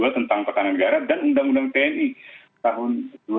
tentang pertahanan negara dan undang undang tni tahun dua ribu